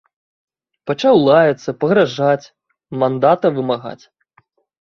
Пачаў лаяцца, пагражаць, мандата вымагаць.